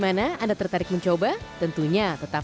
sampai ketemu lagi